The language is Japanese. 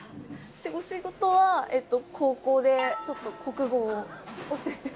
お仕事は高校でちょっと国語を教えて。